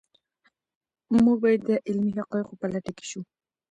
موږ باید د علمي حقایقو په لټه کې شو.